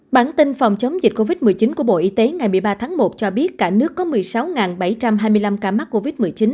bản tin phòng chống dịch covid một mươi chín của bộ y tế ngày một mươi ba tháng một cho biết cả nước có một mươi sáu bảy trăm hai mươi năm ca mắc covid một mươi chín